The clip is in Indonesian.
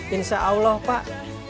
insya allah pak